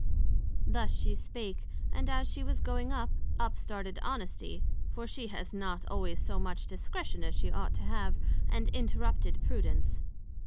Thus she spake, and as she was going up, up started Honesty (for she has not always so much discretion as she ought to have) and interrupted Prudence.